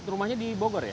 rumahnya di bogor ya